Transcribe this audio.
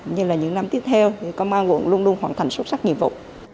như là những năm tiếp theo thì công an quận luôn luôn hoàn thành xuất sắc nhiệm vụ